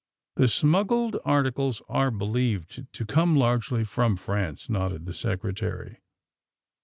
'' '*The smuggled articles are believed to come largely from France," nodded the Secretary.